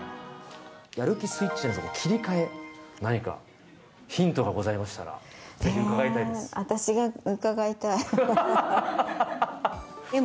やる気スイッチというか切り替え、何かヒントがございましたら、教えてもらいたいです。